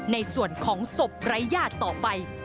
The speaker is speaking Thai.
ในส่วนของศพฮายาดต่อไป